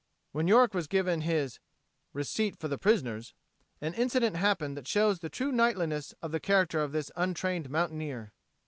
When York was given "his receipt for the prisoners," an incident happened that shows the true knightliness of character of this untrained mountaineer.